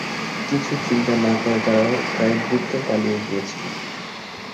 কিছু চিন্তা না করে তারা প্রায় দ্রুত পালিয়ে গিয়েছিল।